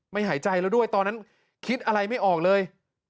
หายใจแล้วด้วยตอนนั้นคิดอะไรไม่ออกเลย